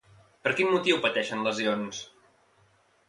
Per quin motiu pateixen lesions?